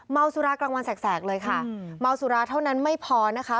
สุรากลางวันแสกเลยค่ะเมาสุราเท่านั้นไม่พอนะคะ